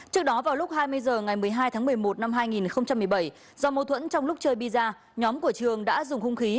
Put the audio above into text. trước đó vào lúc hai mươi h ngày một mươi hai tháng một mươi một năm hai nghìn một mươi bảy do mâu thuẫn trong lúc chơi biza nhóm của trường đã dùng hung khí